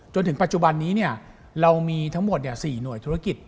จนถึงปัจจุบันนี้เรามีทั้งหมด๔หน่วยธุรกิจ